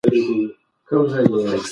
موږ باید د خپلې ژبې قدر وکړو.